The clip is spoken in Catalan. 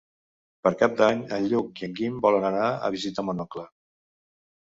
Per Cap d'Any en Lluc i en Guim volen anar a visitar mon oncle.